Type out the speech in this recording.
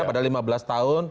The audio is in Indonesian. padahal lima belas tahun